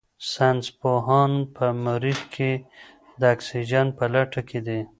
ساینس پوهان په مریخ کې د اکسیجن په لټه کې دي.